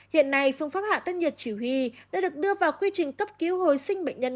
hiện nay phương pháp hạ tân nhật chỉ huy đã được đưa vào quy trình cấp cứu hồi sinh bệnh nhân